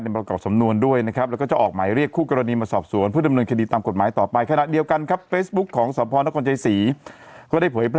ไม่รอดตำรวจเรียกออกมาออกมาเรียกนะครับ